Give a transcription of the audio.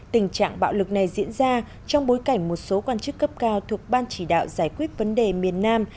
tình trạng bạo lực này diễn ra trong bối cảnh một số quan chức cấp cao thuộc ban chỉ đạo giải quyết vấn đề miền nam